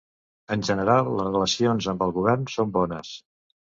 En general les relacions amb el govern són bones.